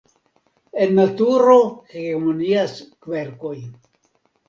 En naturo hegemonias kverkoj.